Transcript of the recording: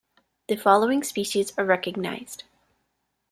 The following species are recognised.